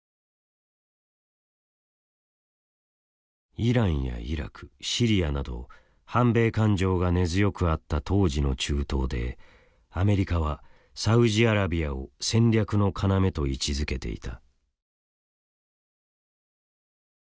イランやイラクシリアなど反米感情が根強くあった当時の中東でアメリカはサウジアラビアを戦略の要と位置づけていた。